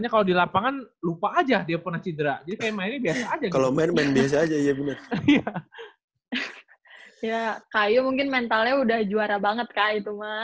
ya kak yu mungkin mentalnya udah juara banget kak itu mah